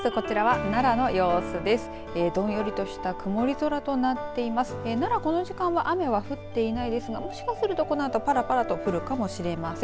この時間は雨は降っていないですがもしかするとこのあとぱらぱらと降るかもしれません。